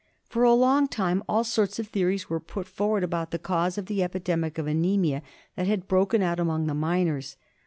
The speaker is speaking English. For a long time all sorts of theories were put forward about the cause of the epi demic of anaemia that had broken out among the miners.